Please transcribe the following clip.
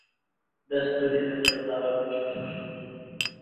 ব্যাস তৈরি হয়ে যাবে লাউয়ের খোসার সুস্বাদু টিকিয়া।